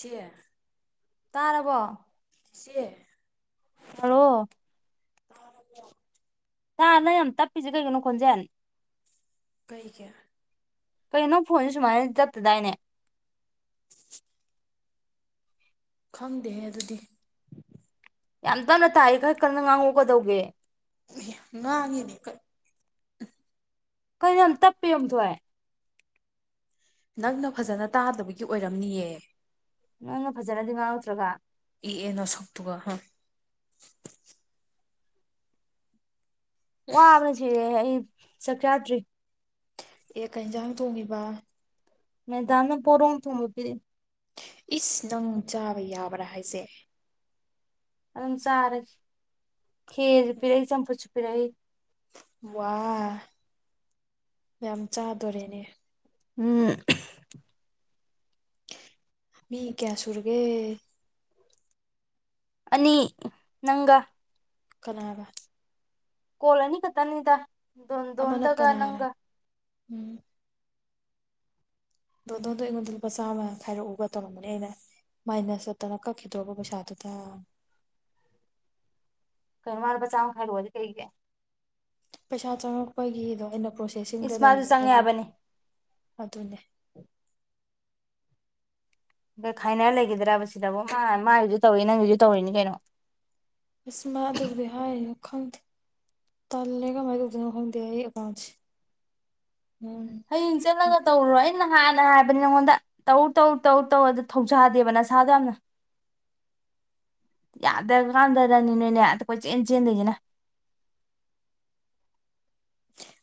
ꯁꯤꯁꯦ ꯇꯥꯔꯕꯣ ꯁꯤꯦ ꯍꯣ ꯇꯥꯔꯒ ꯇꯥ ꯅꯪ ꯌꯥꯝ ꯇꯞꯄꯤꯁꯦ ꯀꯩꯒꯤꯅꯣ ꯈꯣꯟꯖꯦꯜ ꯀꯩꯒꯤꯦ ꯀꯩꯅꯣ ꯐꯣꯟꯁꯦ ꯁꯨꯃꯥꯏꯅ ꯆꯠꯇꯗꯥꯏꯅꯦ [inaudible] ꯈꯪꯗꯦꯍꯦ ꯑꯗꯨꯗꯤ ꯌꯥꯝ ꯇꯞꯅ ꯇꯥꯏꯌ° ꯈꯔ ꯀꯟꯅ ꯉꯥꯡꯉꯛꯎ ꯀꯗꯧꯒꯦ ꯉꯥꯡꯉꯤꯅꯦ ꯀꯩꯅꯣ ꯇꯞꯄꯤꯌꯣꯗꯑꯦ ꯅꯪꯅ ꯐꯖꯅ ꯇꯥꯗꯕꯒꯤ ꯑꯣꯏꯔꯝꯅꯤꯌꯦ ꯅꯪꯅ ꯐꯖꯅꯗꯤ ꯉꯥꯎꯗ꯭ꯔꯒ ꯑꯦꯑ ꯅ ꯁꯛꯛꯇꯨꯒ ꯍꯥ ꯋꯥꯕꯅ ꯆꯔꯦ ꯑꯩ ꯆꯥꯛ ꯆꯥꯗ꯭ꯔꯤ ꯑꯦ ꯀꯩ ꯍꯦꯟꯖꯥꯡ ꯊꯣꯡꯉꯤꯕ ꯃꯗꯥꯝꯅ ꯄꯣꯔꯣꯝ ꯊꯣꯪ ꯄꯤꯔꯦ ꯏꯁ ꯅꯪ ꯆꯥꯕ ꯌꯥꯕ꯭ꯔꯥ ꯍꯥꯏꯁꯦ ꯑꯗꯨꯝ ꯆꯥꯔꯦ ꯈꯦꯔꯁꯨ ꯄꯤꯔꯛꯏ ꯆꯝꯐꯨꯠꯁꯨ ꯄꯤꯔꯛꯏ ꯋꯥ ꯌꯥꯝ ꯆꯥꯗꯣꯔꯦꯅꯦ ꯎꯝ ꯃꯤ ꯀꯌꯥ ꯁꯨꯔꯒꯦ ꯑꯅꯤ ꯅꯪꯒ ꯀꯅꯥꯒ ꯀꯣꯜ ꯑꯥꯅꯤ ꯈꯛꯇꯅꯤꯗ ꯗꯣꯟ ꯑꯃꯅ ꯗꯣꯟꯗꯒ ꯀꯅꯥꯅ ꯅꯪꯒ ꯎꯝ ꯑꯗꯣ ꯅꯉꯣꯟꯗꯣ ꯑꯩꯉꯣꯟꯗ ꯂꯨꯄꯥ ꯆꯥꯝꯃ ꯈꯥꯏꯔꯛꯎꯒ ꯇꯧꯔꯝꯒꯅꯦ ꯑꯩꯅ ꯃꯥꯏꯅꯁ ꯆꯠꯇꯅ ꯈꯛꯈꯤꯗꯣꯔꯕ ꯄꯩꯁꯥꯗꯨꯗꯥ ꯈꯔ ꯃꯥꯔ ꯄꯁꯥꯎꯨ ꯈꯥꯏꯔꯑꯣꯕ ꯑꯗꯨ ꯀꯩꯒꯦ ꯄꯩꯁꯥ ꯆꯪꯉꯛꯄꯒꯤꯗꯣ ꯑꯩꯅ ꯄ꯭ꯔꯣꯁꯦꯁꯤꯡꯗ ꯏꯁ ꯃꯥꯁꯨ ꯂꯩꯅꯤ ꯆꯪꯉꯦ ꯑꯗꯨꯒꯤ ꯍꯥꯏꯕꯅꯤ ꯑꯗꯨꯅꯦ ꯈꯥꯏꯅꯔ ꯂꯩꯈꯤꯗ꯭ꯔꯥ ꯁꯤꯗꯕꯨ ꯃꯥ ꯃꯥꯒꯤꯁꯨ ꯇꯧꯋꯤ ꯅꯪꯒꯤꯁꯨ ꯇꯧꯔꯤꯅꯤ ꯀꯩꯅꯣ ꯑꯁ ꯃꯥ ꯑꯥꯗꯨꯕꯨꯗꯤ ꯍꯥꯏꯅꯤ ꯈꯪꯗꯦ ꯇꯜꯒ ꯃꯥꯏꯗꯅ ꯍꯗ ꯑꯄꯥꯥꯎꯁꯤ ꯎꯝ ꯍꯌꯦꯡ ꯆꯠꯂꯒ ꯇꯧꯔꯨꯔꯣ ꯑꯩꯅ ꯍꯥꯟꯅ ꯍꯥꯏꯕꯅꯦ ꯅꯉꯣꯟꯗ ꯇꯧ ꯇꯧ ꯇꯧ ꯇꯧ ꯑꯗꯨ ꯊꯧꯁꯥꯗꯦꯕ ꯅꯁꯥꯗ ꯌꯥꯝꯅ ꯌꯥꯗꯕ ꯀꯥꯟꯗꯔꯅꯤ ꯅꯣꯏꯅꯦ ꯑ ꯀꯣꯏ ꯆꯦꯟ ꯆꯦꯟꯗꯣꯏꯁꯤꯅ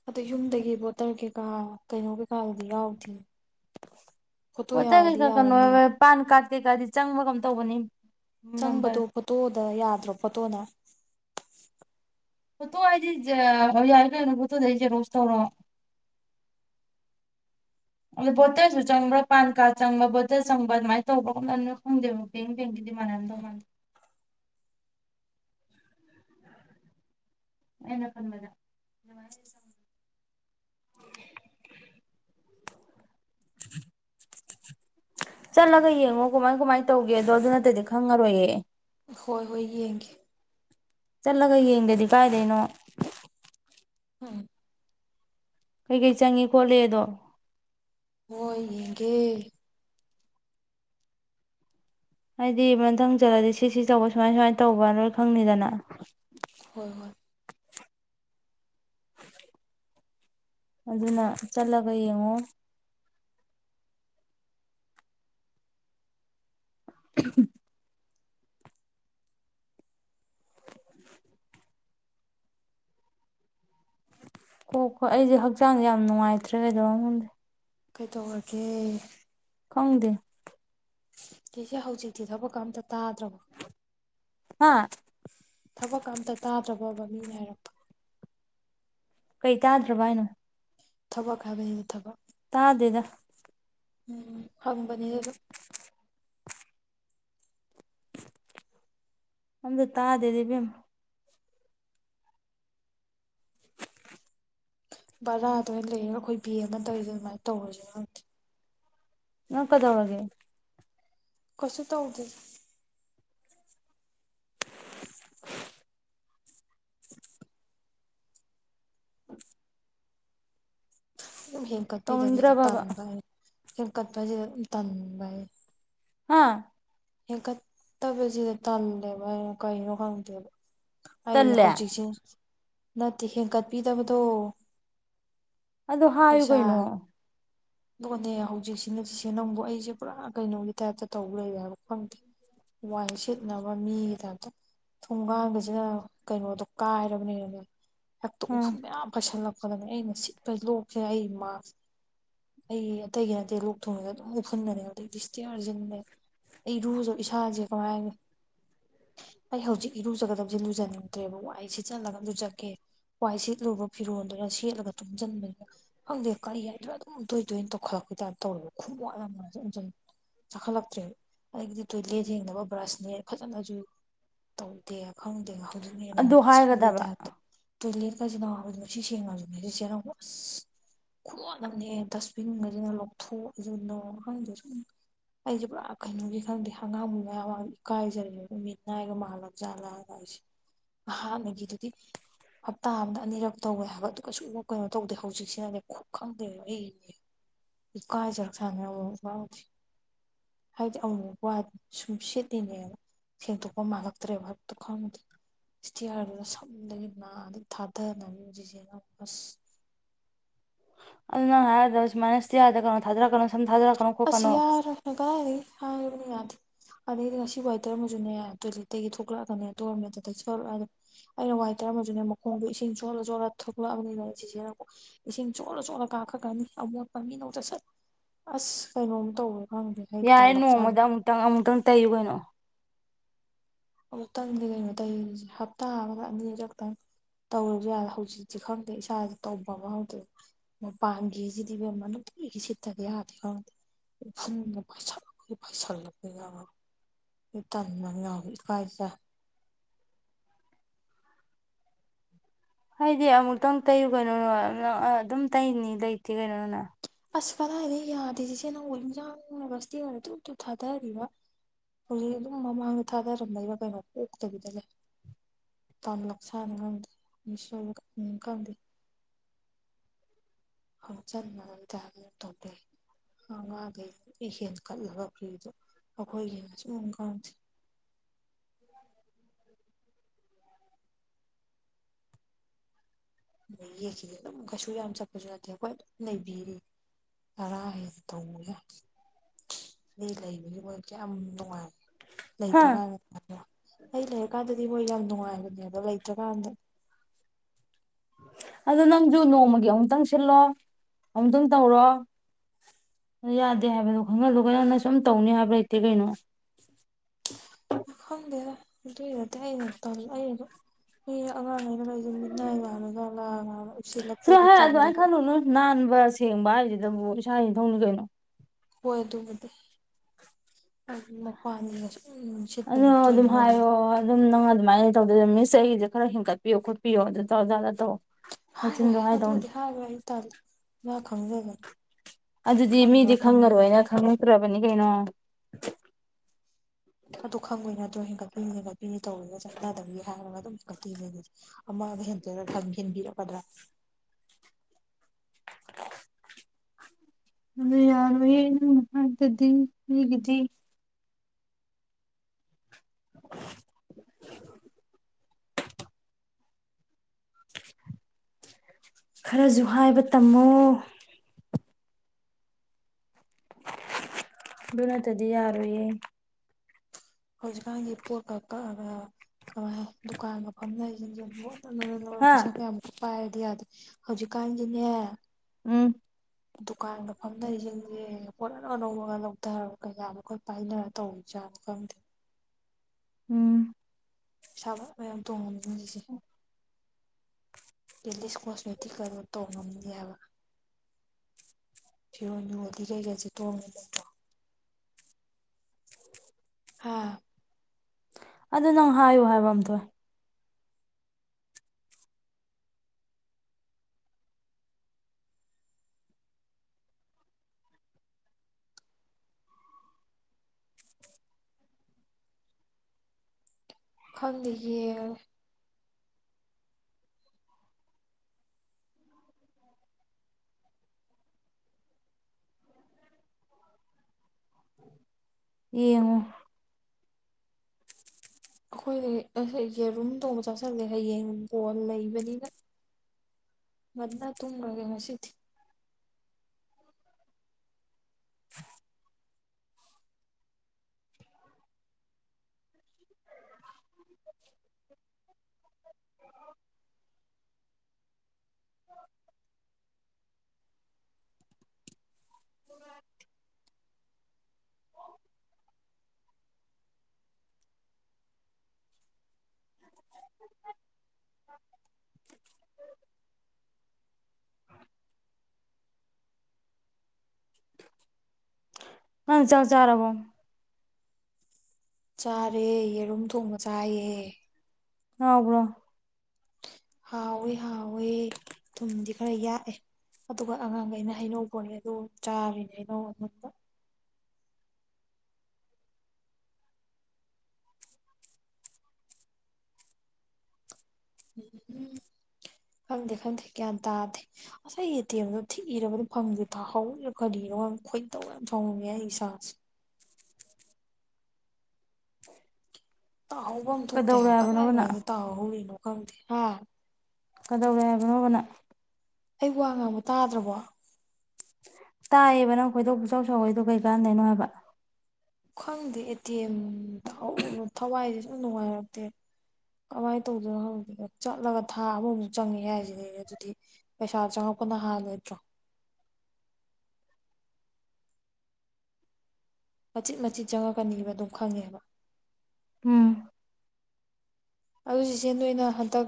ꯑꯗ ꯌꯨꯝꯗꯒꯤ ꯕꯣꯠꯇꯔ ꯀꯩꯀꯥ ꯀꯩꯅꯣ ꯀꯩꯀꯥꯗꯤ ꯌꯥꯎꯗꯦ ꯐꯣꯇꯣ ꯕꯣꯇꯔ ꯌꯥꯎꯔꯗꯤ ꯀꯩꯀꯥ ꯀꯩꯅꯣ ꯌꯥꯔꯝꯅꯤ ꯄꯥꯟ ꯀꯥꯔꯠ ꯀꯩꯀꯥꯗꯤ ꯆꯪꯕ ꯀꯝ ꯇꯧꯕꯅꯤ ꯅꯝꯕꯔ ꯆꯪꯕꯗꯣ ꯐꯣꯇꯣꯗ ꯌꯥꯗ꯭ꯔꯣ ꯐꯣꯇꯣꯅ ꯐꯣꯇꯣ ꯍꯥꯏꯗꯤ ꯌꯥꯏ ꯀꯅꯣ ꯐꯣꯇꯣꯗꯩ ꯑꯩ ꯖꯦꯔꯣꯁ ꯇꯧꯔꯣ ꯑꯗꯣ ꯚꯣꯇꯔꯁꯨ ꯆꯪꯕ꯭ꯔꯥ ꯄꯥꯟ ꯀꯥꯔꯠ ꯆꯪꯕ ꯚꯣꯇꯔ ꯆꯪꯕ ꯑꯗꯨꯃꯥꯏꯅ ꯇꯧꯕ꯭ꯔꯒꯅꯣꯏ ꯈꯪꯗꯦꯕ ꯕꯦꯡ ꯕꯦꯡꯒꯤꯗ ꯃꯥꯅꯥꯗ ꯃꯟ ꯑꯩꯟ ꯈꯟꯕꯗ [inaudible] ꯆꯠꯂꯒ ꯌꯦꯡꯉꯣ ꯀꯃꯥꯏ ꯀꯃꯥꯏ ꯇꯧꯒꯦ ꯑꯗꯣ ꯑꯗꯨ ꯅꯠꯇꯗꯤ ꯈꯪꯉꯔꯣꯏꯌꯦ ꯍꯣꯏ ꯍꯣꯏ ꯌꯦꯡꯒꯦ ꯆꯠꯂꯒ ꯌꯦꯡꯗꯗꯤ ꯀꯥꯏꯗꯩꯩꯅꯣ ꯎꯟ ꯀꯩꯀꯩ ꯆꯪꯉꯤ ꯈꯣꯠꯂꯤ ꯑꯗꯣ ꯍꯣꯏ ꯌꯦꯡꯒꯦ ꯍꯥꯏꯗꯤ ꯃꯊꯪ ꯆꯠꯂꯗꯤ ꯁꯤ ꯁꯤ ꯇꯧꯕ ꯁꯨꯃꯥꯏ ꯁꯨꯃꯥꯏꯅ ꯇꯧꯕ ꯂꯣꯏ ꯈꯪꯅꯤꯗꯅ ꯍꯣꯏ ꯍꯣꯏ ꯑꯗꯨꯅ ꯆꯠꯂꯒ ꯌꯦꯡꯉꯣ ꯀꯣꯛ ꯀꯣ ꯑꯩꯁꯦ ꯍꯛꯆꯥꯡꯁꯦ ꯌꯥꯝ ꯅꯨꯡꯉꯥꯏꯇ꯭ꯔꯦ ꯀꯩꯗꯧꯝꯉꯝꯗꯦ ꯀꯩꯗꯧꯔꯒꯦ ꯈꯡꯗꯦ ꯀꯁꯦ ꯍꯧꯖꯤꯛꯇꯤ ꯊꯕꯛ ꯑꯝꯇ ꯇꯥꯗ꯭ꯔꯕꯣ ꯍꯥ ꯊꯕꯛ ꯑꯝꯇ ꯇꯥꯗ꯭ꯔꯕꯕ ꯃꯤꯅ ꯍꯥꯏꯔꯛꯄ ꯀꯩ ꯇꯥꯗ꯭ꯔꯕ ꯍꯥꯏꯅꯣ ꯊꯕꯛ ꯍꯥꯏꯕꯅꯤꯅ ꯊꯕꯛ ꯇꯥꯗꯦꯗ ꯎꯝ ꯍꯪꯕꯅꯤꯗꯁꯨ ꯑꯝꯗ ꯇꯥꯗꯦꯗ ꯏꯕꯦꯝꯃꯥ ꯕꯔꯥ ꯑꯗꯨꯅ ꯂꯩꯔ ꯑꯩꯈꯣꯏ ꯕꯤ ꯑꯃ ꯇꯧꯔꯤꯗ ꯑꯗꯨꯃꯥꯏꯅ ꯇꯧꯔꯁꯨꯦ ꯅꯪ ꯀꯗꯧꯔꯒꯦ ꯀꯩꯁꯨ ꯇꯧꯗꯦ ꯍꯦꯟꯀꯠꯄꯤꯗꯕꯁꯤꯗ ꯇꯧꯅꯤꯡꯗ꯭ꯔꯕꯕ ꯇꯟꯕ ꯍꯦꯟꯀꯠꯄꯁꯤꯗ ꯑꯗꯨꯝ ꯇꯟꯕꯩ ꯍꯥꯥ ꯍꯦꯛꯀꯠꯇꯕꯁꯤꯗ ꯇꯜꯂꯦꯕ ꯑꯩꯅ ꯀꯩꯅꯣ ꯈꯪꯗꯦꯕ ꯑꯩ ꯇꯜꯂꯦ ꯍꯧꯖꯤꯛꯁꯦ ꯅꯠꯇꯦ ꯍꯦꯟꯀꯠꯄꯤꯗꯕꯗꯣ ꯑꯗꯣ ꯍꯥꯏꯌꯨ ꯄꯩꯁꯥ ꯀꯩꯅꯣ ꯂꯣꯅꯦ ꯍꯧꯖꯤꯛꯁꯤꯅ ꯁꯤꯁꯦ ꯅꯪꯕꯨ ꯑꯩꯁꯦ ꯄꯨꯔꯥ ꯀꯩꯅꯣꯒꯤ ꯇꯥꯏꯞꯇ ꯇꯧꯕ ꯂꯩꯌꯦꯦꯕ ꯈꯪꯗꯦ ꯋꯥꯏ ꯁꯤꯠꯅꯕ ꯃꯤꯒꯤꯗꯇ ꯊꯣꯡꯒꯥꯟꯕꯁꯤꯅ ꯀꯩꯅꯣꯗꯣ ꯀꯥꯏꯔꯕꯅꯦꯅ ꯍꯦꯛꯇ ꯎꯝ ꯎꯐꯨꯟ ꯃꯌꯥꯝ ꯄꯩꯁꯜꯂꯛꯄ ꯅꯦ ꯑꯩꯅ ꯁꯤꯠꯄꯩ ꯂꯣꯛꯁꯦ ꯑꯩ ꯃꯥꯁ ꯑꯩ ꯑꯇꯩꯒꯤ ꯅꯠꯇꯦ ꯂꯣꯛ ꯊꯨꯡꯉꯗ ꯑꯗꯨꯝ ꯎꯐꯨꯟꯅꯅꯦ ꯑꯗꯗꯒꯤꯗꯤ ꯏꯁꯇꯤꯌꯥꯔꯁꯤꯅꯦ ꯑꯩ ꯔꯨꯁꯨ ꯏꯁꯥꯁꯦ ꯀꯃꯥꯏꯅ ꯑꯩ ꯍꯧꯖꯤꯛ ꯏꯔꯨꯖꯒꯗꯕꯁꯦ ꯂꯨꯖꯅꯤꯡꯗ꯭ꯔꯦꯕꯕꯨ ꯑꯩ ꯁꯤꯆꯜꯂꯒ ꯂꯨꯖꯀꯦ ꯋꯥꯏ ꯁꯦꯠꯂꯨꯕ ꯐꯤꯔꯣꯜꯗꯨꯅ ꯁꯦꯠꯂꯒ ꯇꯨꯝꯁꯤꯟꯕꯅꯤꯗ ꯈꯪꯗꯦ ꯀꯔꯤ ꯌꯥꯏꯗ꯭ꯔꯣ ꯑꯗꯨꯝ ꯇꯣꯏ ꯇꯣꯏꯅ ꯇꯧꯈꯠꯂꯛꯄꯩꯇꯥꯥꯏꯅ ꯇꯧꯔꯦꯕ ꯈꯨꯝ ꯋꯥꯠꯂꯝꯃꯁꯨ ꯆꯥꯈꯠꯂꯛꯇ꯭ꯔꯦ ꯑꯗꯒꯤꯗꯤ ꯇꯣꯏꯂꯦꯠ ꯌꯦꯡꯅꯕ ꯕ꯭ꯔꯁꯅꯦ ꯐꯖꯅꯁꯨ ꯇꯧꯗꯦ ꯈꯪꯗꯦ ꯍꯧꯖꯤꯛ ꯍꯅ ꯑꯗꯨ ꯃꯨꯠ ꯁꯟꯕꯩ ꯍꯥꯏꯒꯗꯕ ꯇꯥꯞꯇ ꯇꯣꯏꯂꯦꯠꯀꯁꯤꯅꯕꯅ ꯁꯤ ꯁꯦꯡꯉꯁꯨꯅꯦ ꯁꯤꯁꯦꯅ ꯑꯁ ꯈꯣꯠꯂꯅꯦ ꯗꯁꯕꯤꯟꯒꯩꯁꯤꯅ ꯂꯧꯊꯣꯛꯑꯁꯨꯅꯣ ꯍꯥꯏꯗꯨ ꯁꯨꯝ ꯑꯩꯁꯦ ꯄꯨꯔꯥ ꯀꯩꯅꯣꯒꯤ ꯈꯪꯗꯤ ꯍꯪꯉꯥꯡꯕꯨ ꯃꯌꯥꯝ ꯏꯀꯥꯏꯖꯔꯦꯕ ꯅꯨꯃꯤꯠ ꯅꯥꯏꯒ ꯃꯥꯜꯂꯞꯖꯥꯠꯂꯥꯗ ꯑꯩꯁꯦ ꯍꯥ ꯅꯒꯤ ꯑꯗꯨꯗꯤ ꯍꯞꯇꯥ ꯑꯃꯗ ꯑꯅꯤꯔꯛ ꯇꯧꯋꯦ ꯍꯥꯏꯕꯗꯨ ꯀꯩꯁꯨꯨꯝꯕ ꯀꯩꯅꯣ ꯇꯧꯗꯦ ꯍꯧꯖꯤꯛꯁꯤꯅꯗꯤ ꯈꯨꯠ ꯈꯪꯗꯦꯕ ꯑꯩꯒꯤ ꯏꯀꯥꯏꯖꯔ ꯆꯪꯉꯦ ꯑꯃꯨꯛ ꯍꯥꯏꯗꯤ ꯑꯃꯨꯛ ꯋꯥ ꯁꯨꯝ ꯁꯤꯠꯂꯤꯅꯦꯕ ꯁꯦꯡꯗꯣꯛꯄ ꯃꯥꯥꯡꯂꯛꯇ꯭ꯔꯦꯕꯗꯨ ꯈꯥꯟꯗꯤ ꯏꯁꯇꯤꯌꯥꯔꯗꯨꯗ ꯁꯝꯗꯒꯤ ꯅꯥ ꯑꯗꯨ ꯊꯥꯗꯅꯒꯤ ꯍꯧꯖꯤꯛꯁꯦ ꯑꯁ ꯑꯗꯨꯅꯪ ꯍꯥꯏꯔꯗ ꯁꯥꯃꯅ ꯏꯁꯤꯌꯥꯗ ꯀꯣ ꯊꯥꯗꯔꯛ ꯀꯅꯣ ꯁꯝ ꯊꯥꯗꯔꯛ ꯀꯅꯣ ꯑꯁꯤ ꯌꯔ ꯀꯗꯥ ꯍꯅꯤ ꯌꯥꯗ ꯑꯗꯩꯗꯤ ꯉꯁꯤꯐ ꯍꯥꯏ ꯇꯔꯝꯃꯁꯨꯅꯦ ꯇꯣꯏꯂꯦꯠꯇꯒꯤ ꯊꯣꯛꯂꯛꯑꯒꯅꯦ ꯇꯧꯔꯝꯃꯦ ꯑꯗꯨ ꯑꯩꯅ ꯋꯥꯏ ꯇꯔꯝꯃꯁꯨꯅꯦ ꯃꯈꯣꯡꯗꯣ ꯏꯁꯤꯡ ꯆꯣꯜꯂ ꯆꯣꯜꯂ ꯊꯣꯛꯂꯛꯑꯕꯅꯤꯅ ꯑꯩ ꯁꯤꯖꯤꯟꯅꯀꯣ ꯏꯁꯤꯡ ꯆꯣꯠꯂ ꯆꯣꯠꯂ ꯀꯥꯞꯈ꯭ꯔꯀꯅꯤ ꯑꯃꯣꯠꯄ ꯃꯤꯅꯧꯗ ꯁꯠ ꯑꯁ ꯀꯩꯅꯣꯝ ꯇꯧꯋꯦ ꯈꯪꯗ꯭ꯔꯦ ꯌꯥꯏ ꯅꯣꯡꯃꯗ ꯑꯃꯨꯛꯇꯪ ꯑꯃꯨꯛꯇꯪ ꯇꯩꯨ ꯀꯩꯅꯣ ꯑꯃꯨꯛꯇꯪꯗꯤ ꯀꯩꯅꯣ ꯇꯧꯁꯦ ꯍꯞꯇꯥ ꯍꯥꯕꯒ ꯑꯅꯤꯅꯤ ꯆꯛꯇꯪ ꯇꯧꯔꯁꯨ ꯌꯥꯗꯦ ꯍꯧꯖꯤꯛꯇꯤ ꯈꯪꯗꯦ ꯏꯁꯥꯗ ꯇꯧꯕ ꯑꯃ ꯍꯧꯗꯦ ꯃꯄꯥꯡꯒꯁꯤꯗꯤ ꯃꯅꯨꯡꯒꯤꯁꯤꯗꯤ ꯁꯤꯠꯇꯗꯌꯥꯗꯗ ꯐ ꯄꯁꯂ ꯄꯥꯏꯁꯂ ꯐ ꯑ ꯇꯥꯟꯉ [unintelligible] ꯍꯥꯏꯗꯤ ꯑꯃꯨꯛꯇꯪ ꯇꯩꯌꯨ ꯀꯩꯅꯣꯅꯣ ꯅꯪ ꯑꯗꯨꯝ ꯇꯩꯅꯤ ꯂꯩꯇꯦ ꯀꯩꯅꯣꯅ ꯑꯁ ꯀꯗꯥꯏꯗ ꯌꯥꯗꯦꯁ ꯏꯆꯦ ꯅꯪꯕꯨ ꯍꯟꯖꯥꯡꯕꯁꯤꯇ ꯑꯣꯏꯔ ꯇꯨ ꯇꯨ ꯊꯥꯗꯔꯤꯕ ꯍꯧꯖꯤꯛ ꯑꯗꯨꯝ ꯃꯃꯥꯡꯗ ꯊꯥꯗꯔꯝꯃꯦꯕ ꯀꯩꯅꯣ ꯄꯇꯕꯤꯗ ꯂꯩ ꯇꯥꯟ ꯂꯥꯛꯁꯥꯅ ꯈꯪꯗꯦ ꯃꯤꯁꯣ ꯈꯪꯗꯦ [unintelligible] ꯑꯉꯥꯡꯈꯩ ꯍꯦꯟ ꯀꯠꯂꯒ ꯐ꯭ꯔꯤꯗꯣ ꯑꯩꯈꯣꯏꯒꯤꯅꯁꯨ ꯀꯪꯗꯦ ꯌꯦꯛꯈꯤ ꯑꯗꯨꯝ ꯀꯩꯁꯨ ꯌꯥꯝ ꯆꯠꯄꯁꯨ ꯌꯥꯗꯦ ꯑꯩꯈꯣꯏ ꯑꯗꯨꯝ ꯅꯩꯕꯤꯔꯤ ꯇꯔꯥ ꯍꯦꯟ ꯇꯣꯡꯉꯥ ꯃꯤ ꯂꯩ ꯃꯣꯏꯀꯥꯌꯥꯝ ꯅꯨꯡꯉꯥꯏ ꯍꯥ ꯂꯩꯇ꯭ꯔꯀꯥꯟꯗ ꯑꯩ ꯂꯩꯔꯀꯥꯟꯗꯗꯤ ꯃꯣꯏ ꯌꯥꯝ ꯅꯨꯡꯉꯥꯏꯕꯅꯦ ꯂꯩꯇ꯭ꯔꯀꯥꯟꯗ ꯑꯗꯣ ꯅꯪꯁꯨ ꯅꯣꯡꯃꯒꯤ ꯑꯃꯨꯛꯇꯪ ꯁꯤꯜꯂꯣ ꯑꯃꯨꯛꯇꯪ ꯇꯧꯔꯣ ꯌꯥꯗꯦ ꯍꯥꯏꯕꯗꯣ ꯈꯪꯍꯜꯂꯨꯒ ꯅꯪꯅ ꯁꯨꯝ ꯇꯧꯅꯤ ꯍꯥꯏꯕ ꯂꯩꯇꯦ ꯀꯩꯅꯣ ꯑꯩꯈꯪꯗꯦ ꯑꯗꯨꯏꯔꯗꯤ ꯑꯩ ꯑꯩ ꯑꯦ ꯑꯉꯥꯡꯉ ꯑꯩꯅ ꯂꯩꯁꯦ ꯃꯤꯅꯥꯏ ꯋꯥꯂꯖꯠꯂꯥ ꯁꯤꯗ ꯍꯥꯏ ꯑꯗꯨꯃꯥꯏꯅ ꯈꯜꯂꯨ ꯅꯨ ꯅꯥꯟꯕ ꯁꯦꯡꯕ ꯍꯥꯏꯁꯤꯗꯕꯨ ꯏꯁꯥ ꯏꯊꯧꯅꯤ ꯀꯩꯅꯣ ꯍꯣꯏ ꯑꯗꯨꯕꯨꯗꯤ ꯑꯗꯨ ꯃꯄꯥꯟꯒꯤꯒ ꯁꯨꯝ ꯑꯗꯣ ꯁꯤꯠꯄꯗ ꯑꯗꯨꯝ ꯇꯣꯏꯃꯜꯜꯂꯤ ꯍꯥꯏꯌꯣ ꯑꯗꯨꯝ ꯅꯪ ꯑꯗꯨꯃꯥꯏꯅ ꯇꯧꯗꯣꯏꯔ ꯃꯤꯁꯦ ꯑꯩꯁꯦ ꯈꯔꯦꯟꯒꯀꯠꯄꯤꯣ ꯈꯣꯠꯄꯤꯌꯣ ꯑꯗꯨ ꯇꯧꯔꯖꯥꯗ ꯇꯧꯑꯣ ꯍꯥꯏꯔꯣꯏ ꯑꯗꯨꯕꯨꯗꯤ ꯍꯥꯏꯔꯣꯏ ꯑꯩ ꯃꯥ ꯈꯪꯖꯕꯅꯤ ꯑꯗꯨꯗꯤ ꯃꯤꯗꯤ ꯈꯪꯉꯔꯣꯏꯅ ꯈꯪꯉꯛꯇ꯭ꯔꯕꯅꯤ ꯀꯩꯅꯣ ꯑꯗꯨꯣ ꯈꯪꯉꯣꯏ ꯅꯠꯇ꯭ꯔꯣ ꯍꯦꯟꯀꯠꯄꯤꯅꯤ ꯍꯦꯟꯀꯠꯄꯤꯅꯤ ꯇꯧꯔꯒ ꯆꯥꯟꯅꯗꯕꯤꯒꯤ ꯍꯥꯏꯔꯒ ꯑꯗꯨꯝ ꯍꯦꯟꯀꯠꯄꯤꯅꯦ ꯑꯗꯨꯗꯤ ꯑꯃꯗ ꯍꯦꯟꯖꯔꯒ ꯈ ꯍꯦꯟꯕꯤꯔꯛꯀꯗ꯭ꯔꯥ ꯑꯗꯨ ꯌꯥꯔ ꯑꯣꯏꯌꯦ ꯇꯗꯤꯒꯤꯗꯤ [inaudible] ꯈꯔꯁꯨ ꯍꯥꯏꯕ ꯇꯝꯃꯣ ꯑꯗꯨ ꯅꯠꯇꯗꯤ ꯌꯥꯔꯣꯏꯌꯦ ꯍꯧꯖꯤꯛꯀꯥꯟꯒꯤ ꯄꯣꯠ ꯀ ꯀ ꯗꯨꯀꯥꯟ ꯃꯐꯝ ꯂꯩꯁꯤꯡꯁꯦꯣꯠ ꯍꯥ ꯄꯩꯁꯥ ꯀꯌꯥꯃꯨꯛ ꯄꯥꯏꯔꯗꯤ ꯌꯥꯗꯦ ꯍꯧꯖꯤꯛꯀꯥꯟꯒꯤꯅꯦ ꯎꯝ ꯗꯨꯀꯥꯟꯒ ꯐꯝꯅꯔꯤꯁꯤꯡꯁꯦ ꯍꯣꯠꯅꯅꯅꯧꯕꯔꯒ ꯂꯧꯊꯔ ꯀꯩꯌꯥ ꯑꯩꯈꯣꯏ ꯄꯥꯏꯅꯔ ꯇꯧꯋ ꯆꯥꯕ ꯈꯪꯗꯦ ꯎꯝ ꯁꯥꯥꯕ ꯃꯌꯥꯝ ꯇꯣꯡꯉꯅꯤ ꯍꯧꯖꯤꯛꯁꯦ ꯂꯤꯁ ꯀꯣꯁꯃꯇꯤ ꯀꯩꯅꯣ ꯇꯧꯉꯝꯅꯦꯦꯕ ꯁꯤꯤꯔꯣꯟ ꯌꯨꯗꯤ ꯀꯩꯀꯩꯁꯤ ꯇꯣꯡꯉ ꯂꯩꯕ꯭ꯔꯣ ꯍꯥꯥ ꯑꯗꯨ ꯅꯪ ꯍꯥꯏꯌꯨ ꯍꯥꯏꯕ ꯑꯝꯇ ꯈꯪꯗꯦ ꯌꯦ ꯌꯦꯉ ꯑꯩꯈꯣꯏꯅ ꯌꯦꯔꯨꯝ ꯇꯣꯡꯕ ꯆꯥꯁꯤꯜꯂꯦ ꯍꯌꯦꯡ ꯀꯣꯟ ꯂꯩꯕꯅꯤꯅ ꯃ ꯊꯨꯡꯒꯒꯦ ꯃꯁꯤꯗꯤ ꯄꯪ ꯆ ꯆꯥꯔꯔꯕꯣ ꯆꯥꯔꯦ ꯌꯦꯔꯨꯝ ꯊꯣꯡꯕ ꯆꯥꯏꯌꯦ ꯍꯕ꯭ꯔꯣ ꯍꯥꯎꯋꯦ ꯍꯥꯎꯋꯦ ꯊꯨꯝꯗꯤ ꯈꯔ ꯌꯥꯛꯑꯦ ꯑꯗꯨꯒ ꯑꯉꯥꯡꯈꯩꯅ ꯍꯩꯅꯧ ꯐꯣꯜꯂꯤ ꯑꯗꯨ ꯆꯥꯔꯤꯅꯦ ꯍꯩꯅꯧ ꯑꯉꯗ ꯎꯝ ꯎꯝ ꯈꯪꯗꯦ ꯈꯪꯗꯦ ꯒ꯭ꯌꯥꯟ ꯇꯥꯗꯦ ꯉꯁꯥꯏ ꯌꯦꯇꯦꯕꯗꯣ ꯊꯤꯛꯏꯔꯕꯗ ꯐꯪꯗꯦ ꯇꯥꯍꯧꯔ ꯐꯔꯣ ꯈꯣꯏꯅ ꯇꯧ ꯌꯥꯝ ꯁꯥꯎꯉꯝꯉꯦ ꯑꯩ ꯏꯁꯥꯁꯦ ꯇꯥꯍꯧꯕ ꯑꯃ ꯊꯣꯛꯇꯦ ꯀꯗꯧꯔꯦ ꯍꯥꯏꯕ ꯍꯥꯏꯕꯅꯣꯕ ꯅꯪ ꯀꯗꯥꯏꯋꯥꯏꯗ ꯇꯥꯍꯧꯔꯤꯅꯣ ꯈꯪꯗꯦ ꯍꯥꯏ ꯀꯗꯧꯔꯦ ꯍꯥꯏꯕꯅꯣꯕꯅ ꯑꯩ ꯋꯥ ꯉꯥꯡꯕ ꯇꯥꯗ꯭ꯔꯕꯣ ꯇꯥꯏꯌꯦꯕ ꯅꯪ ꯈꯣꯏꯗ ꯄꯨꯆꯧ ꯁꯧꯏꯗꯣ ꯀꯩ ꯀꯥꯟꯗꯩꯅꯣ ꯍꯥꯏꯕ ꯈꯪꯗꯦ ꯑꯦ ꯇꯤ ꯑꯦꯝꯗ ꯊꯋꯥꯏꯗꯤ ꯁꯨꯝ ꯅꯨꯡꯉꯥꯏꯔꯛꯇꯦ ꯀꯃꯥꯏꯅ ꯇꯧꯗꯣꯏꯅꯣ ꯍꯧꯪꯗꯦꯅ ꯆꯠꯂꯒ ꯊꯥ ꯑꯃꯃꯝꯁꯨ ꯆꯪꯉꯦ ꯍꯥꯏꯁꯤꯗꯤ ꯑꯗꯨꯗꯤ ꯄꯩꯁꯥ ꯆꯪꯉꯄꯅ ꯍꯥꯕꯣ ꯃꯆꯤꯠ ꯃꯆꯤꯠ ꯆꯪꯉꯛꯀꯅꯤꯕ ꯑꯗꯨꯝ ꯈꯪꯉꯦꯕ ꯎꯝ ꯑꯗꯨ ꯁꯤꯁꯦ ꯅꯣꯏꯅ ꯍꯟꯗꯛ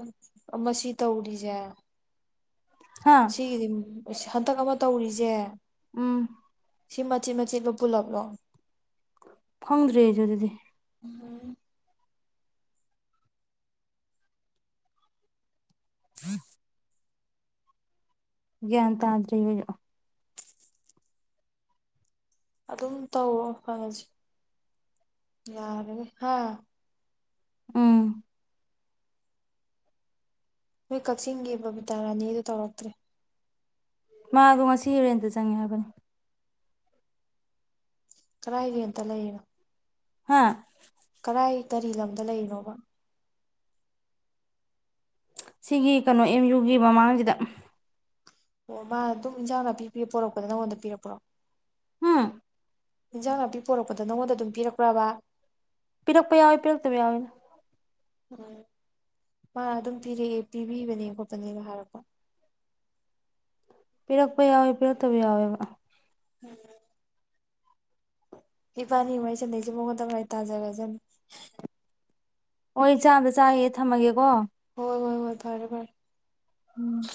ꯃꯁꯤ ꯇꯧꯔꯤꯁꯦ ꯍꯥ ꯁꯤꯒꯤꯗꯤ ꯍꯟꯇꯛ ꯑꯃ ꯇꯧꯔꯤꯁꯦ ꯎꯝ ꯁꯤ ꯃꯆꯦꯠ ꯃꯆꯦꯠꯂꯣ ꯄꯨꯜꯂꯞꯂꯣ ꯐꯪꯗ꯭ꯔꯦ ꯑꯗꯨ ꯑꯗꯨꯗꯤ ꯑ ꯎꯝ ꯍꯦ ꯇ ꯑꯗꯨ꯭ꯔꯦ ꯑꯗꯨꯝ ꯇꯧꯑꯣ ꯐꯪꯉꯁꯤ ꯌꯥꯔꯅꯤ ꯍꯥ ꯎꯝ ꯅꯣꯏ ꯀꯛꯆꯤꯡꯒꯤ ꯕꯕꯤꯇꯥ ꯔꯥꯅꯤꯗꯨ ꯇꯧꯔꯛꯇ꯭ꯔꯦ ꯃꯥꯗꯣ ꯉꯁꯤ ꯍ ꯔꯦꯟꯗ ꯆꯪꯉꯦ ꯍꯥꯏꯕꯅꯤ ꯀꯗꯥꯥꯏꯒꯤ ꯑꯝꯇ ꯂꯩꯅꯣ ꯍꯥꯥ ꯀꯗꯥꯏ ꯀꯔꯤ ꯂꯝꯗ ꯂꯩꯔꯤꯅꯣꯕ ꯁꯤꯒꯤ ꯀꯩꯅꯣ ꯑꯦꯝ ꯌꯨꯒꯤ ꯃꯃꯥꯡꯁꯤꯗ ꯑꯣ ꯃꯥ ꯑꯗꯨꯝ ꯏꯟꯖꯥꯡ ꯅꯥꯄꯤ ꯄ ꯄꯣꯔꯛꯄꯗ ꯅꯪꯉꯣꯟꯗ ꯄꯤꯔꯛꯄ꯭ꯔꯣ ꯎꯝ ꯏꯟꯖꯥꯡ ꯅꯥꯄꯤ ꯄꯣꯔꯛꯄꯗ ꯅꯪꯉꯣꯟꯗ ꯑꯗꯨꯝ ꯄꯤꯔꯛꯈ꯭ꯔꯕ ꯄꯤꯔꯛꯄ ꯌꯥꯎꯏꯤꯔꯛꯇꯕ ꯌꯥꯎꯋꯤꯅ ꯎ ꯃꯥ ꯑꯗꯨꯝ ꯄꯤꯔꯛꯑꯦ ꯄꯤꯕꯤꯕꯅꯦ ꯈꯣꯠꯄꯅꯦꯕ ꯍꯥꯏꯔꯛꯄ ꯄꯤꯔꯛꯄ ꯌꯥꯎꯋꯦ ꯄꯤꯔꯛꯇꯕ ꯌꯥꯎꯋꯦꯕ ꯏꯕꯥꯅꯤ ꯏ ꯃꯥꯏ ꯁꯟꯗꯩꯁꯦ ꯃꯉꯣꯟꯗ ꯉꯥꯏ ꯇꯥꯖꯔꯁꯅꯤ ꯍꯣꯏ ꯏ ꯆꯥꯝꯗ ꯆꯥ ꯍꯦ ꯊꯝꯃꯒꯦꯀꯣ ꯍꯣꯏ ꯍꯣꯏ ꯍꯣꯏ ꯐꯔꯦ ꯐꯔꯦ ꯎꯝ